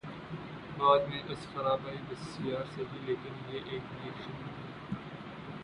بعد از خرابیء بسیار سہی، لیکن یہ ایک نیک شگون ہے۔